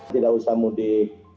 tidak usah mudik